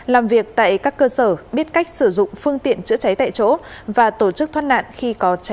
làm việc tại các cơ sở biết cách sử dụng phương tiện chữa cháy tại chỗ và tổ chức thoát nạn khi có cháy nổ